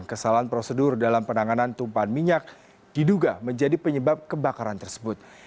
kesalahan prosedur dalam penanganan tumpahan minyak diduga menjadi penyebab kebakaran tersebut